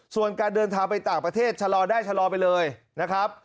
ส่วนการเดินทางไปต่างประเทศชะลอได้ชะลอไปเลยนะครับ